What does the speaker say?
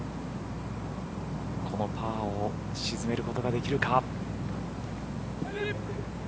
このパーを沈めることができるか。